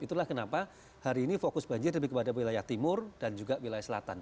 itulah kenapa hari ini fokus banjir lebih kepada wilayah timur dan juga wilayah selatan